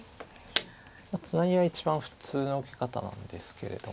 ツナギが一番普通の受け方なんですけれども。